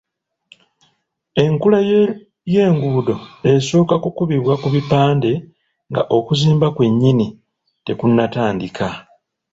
Enkula y'enguudo esooka kukubibwa ku bipande nga okuzimba kwe nnyini tekunnatandika.